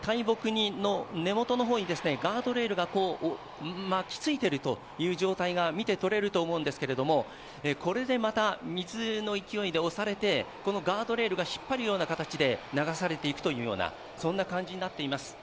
大木の根元の方にガードレールが巻きついている状態が見て取れると思うんですがこれでまた、水の勢いで押されてガードレールが引っ張るような形で流されていくような感じになっています。